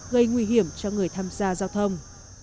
gây nguy hiểm cho người tham gia giao thông